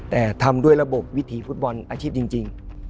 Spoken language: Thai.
แต่ทำด้วยระบบวิถีฟุตบอลอาชีพจริง